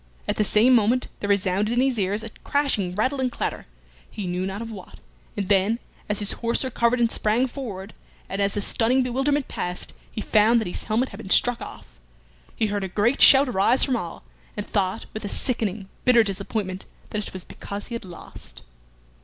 At the same moment there resounded in his ears a crashing rattle and clatter, he knew not of what, and then, as his horse recovered and sprang forward, and as the stunning bewilderment passed, he found that his helmet had been struck off. He heard a great shout arise from all, and thought, with a sickening, bitter disappointment, that it was because he had lost.